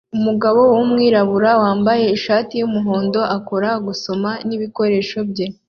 Umugabo wumwirabura wambaye ishati yumuhondo akora gusoma nibikoresho bye